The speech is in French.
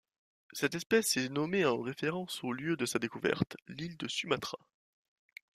Cette espèce est nommée en référence au lieu de sa découverte, l'île de Sumatra.